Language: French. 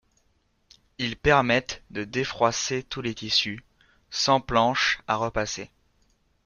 Ils permettent de défroisser tous les tissus, sans planche à repasser.